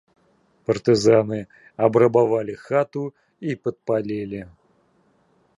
Партызаны абрабавалі хату і падпалілі.